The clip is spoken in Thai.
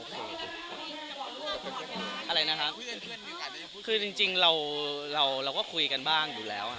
อะไรนะครับคือจริงจริงเราเราเราก็คุยกันบ้างอยู่แล้วฮะ